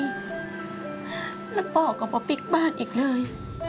แล้วป้อก็มาไปกบ้านอีกเลย